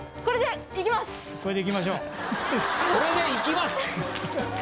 「これでいきます！」。